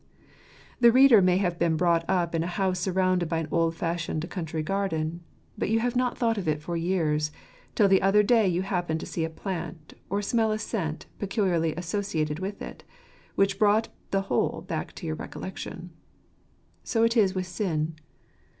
The reader may have been brought up in a house sur rounded by an old fashioned country garden; but you have not thought of it for years, till the other day you happened to see a plant or smell a scent peculiarly asso ciated with it, which brought the whole back to your recollection. So is it with sin.